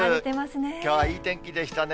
きょうはいい天気でしたね。